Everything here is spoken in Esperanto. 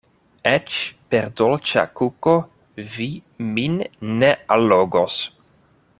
Eĉ per dolĉa kuko vi min ne allogos.